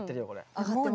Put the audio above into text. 上がってますね。